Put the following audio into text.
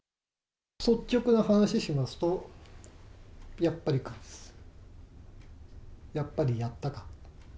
率直な話しますと、やっぱりか、やっぱりやったかと。